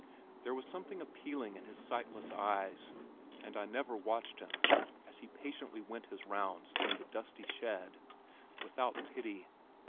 There was something appealing in his sightless eyes, and I never watched him (as he patiently went his rounds in the dusty shed) without pity.